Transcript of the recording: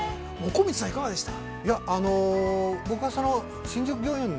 ◆今村さん、いかがでした？